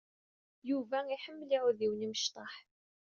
Yuba iḥemmel iɛudiwen imečṭaḥ.